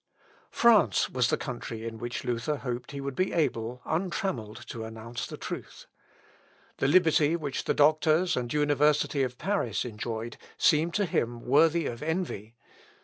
France was the country in which Luther hoped he would be able, untramelled, to announce the truth. The liberty which the doctors and university of Paris enjoyed seemed to him worthy of envy.